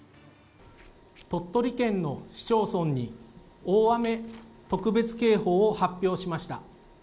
鳥取県の市町村に大雨特別警報を発表しました。